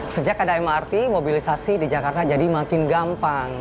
sejak ada mrt mobilisasi di jakarta jadi makin gampang